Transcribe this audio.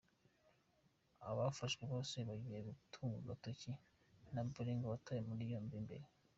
Abafashwe bose bagiye batungwa agatoki na Bolingo watawe muri yombi mbere.